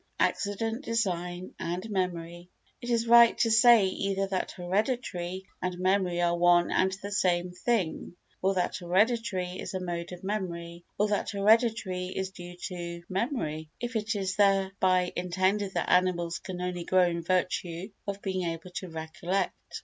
Accident, Design and Memory It is right to say either that heredity and memory are one and the same thing, or that heredity is a mode of memory, or that heredity is due to memory, if it is thereby intended that animals can only grow in virtue of being able to recollect.